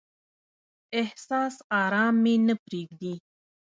احساس ارام مې نه پریږدي.